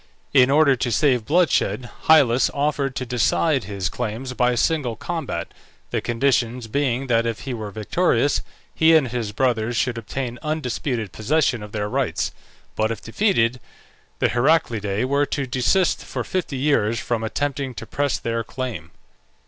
In order to save bloodshed, Hyllus offered to decide his claims by single combat, the conditions being, that if he were victorious, he and his brothers should obtain undisputed possession of their rights; but if defeated, the Heraclidae were to desist for fifty years from attempting to press their claim.